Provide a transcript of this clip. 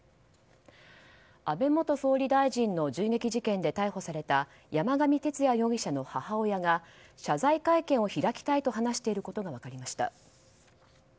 安倍元総理大臣の銃撃事件で逮捕された山上徹也容疑者の母親が謝罪会見を開きたいと話していることが分かりました。